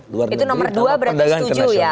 itu nomor dua berarti setuju ya